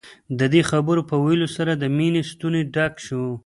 د دې خبرو په ويلو سره د مينې ستونی ډک شو.